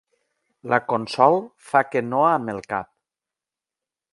La Consol fa que no amb el cap.